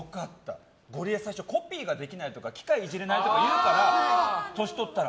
ゴリエ、最初コピーができないとか機械いじれないとかいうから年取ったら。